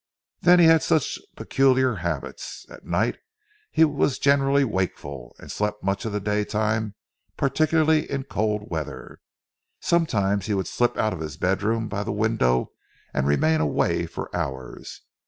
Then he had such peculiar habits. At night he was generally wakeful, and he slept much in the day time particularly in cold weather. Sometimes he would slip out of his bedroom by the window and remain away for hours.